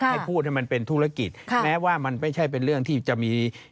ให้พูดให้มันเป็นธุรกิจแม้ว่ามันไม่ใช่เป็นเรื่องที่จะมี